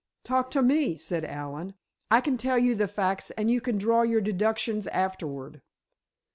"Talk to me," said Allen. "I can tell you the facts, and you can draw your deductions afterward."